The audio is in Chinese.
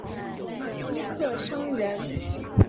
尹克升人。